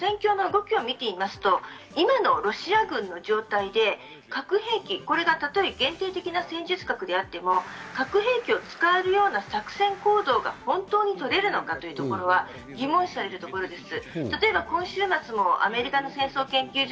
ただ現状、戦況の動きを見てみますと、今のロシア軍の状態で核兵器、これが例えば限定的な戦術核であっても、核兵器を使えるような作戦行動が本当に取れるのかというところは疑問視されるところです。